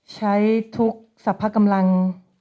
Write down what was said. ใช้ทุกสรรพกำลัง